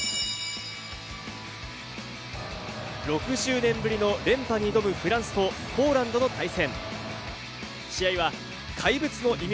６０年ぶりの連覇に挑むフランスとポーランドの対戦。